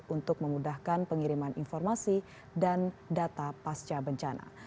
untuk memudahkan pengiriman informasi dan data pasca bencana